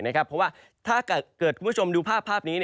เพราะว่าถ้าเกิดคุณผู้ชมดูภาพนี้